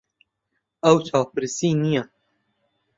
ئەو چاوبرسی نییە.